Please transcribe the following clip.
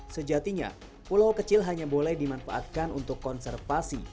sejatinya pulau kecil hanya boleh dimanfaatkan untuk konservasi